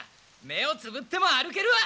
目をつぶっても歩けるわ！